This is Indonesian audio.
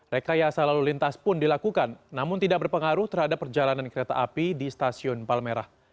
rekayasa lalu lintas pun dilakukan namun tidak berpengaruh terhadap perjalanan kereta api di stasiun palmerah